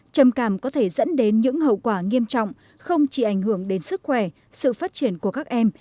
trầm cảm có thể dẫn đến những hậu quả nghiêm trọng không chỉ ảnh hưởng đến sức khỏe sự phát triển của các em